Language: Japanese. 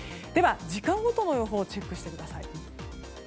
では、時間ごとの予報をチェックしてください。